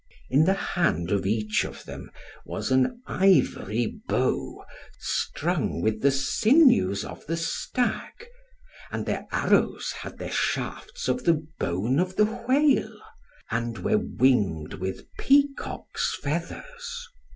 In the hand of each of them was an ivory bow, strung with the sinews of the stag; and their arrows had their shafts of the bone of the whale, and were winged with peacock's feathers.